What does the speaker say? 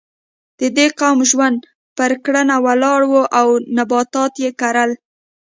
د دې قوم ژوند پر کرنه ولاړ و او نباتات یې کرل.